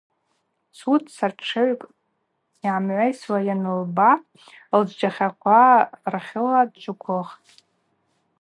Цуца тшыгӏвкӏ дгӏамгӏвайсуа йанылба лджвджвахьаква рахьыла дджвыквылхтӏ.